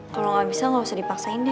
kalo gak bisa gak usah dipaksain deh